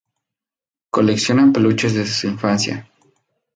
Colecciona peluches desde su infancia.